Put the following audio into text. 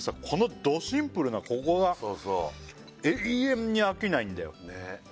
このドシンプルなここがそうそう永遠に飽きないんだよねえ